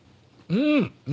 うん！